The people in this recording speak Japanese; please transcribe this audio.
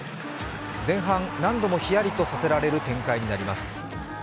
前半、何度もひやりとさせられる展開となります。